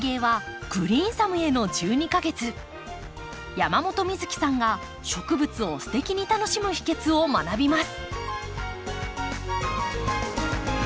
山本美月さんが植物をステキに楽しむ秘けつを学びます。